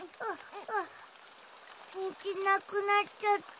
にじなくなっちゃった。